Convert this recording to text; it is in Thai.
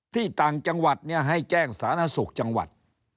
ที่ต่างจังหวัดเนี่ยให้แจ้งศาลสุขจังหวัด